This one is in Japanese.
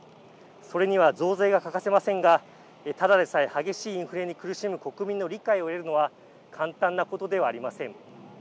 それには増税が欠かせませんがただでさえ激しいインフレに苦しむ国民の理解を得るのは簡単なことではありません。